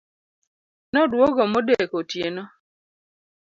Noduogo modeko otieno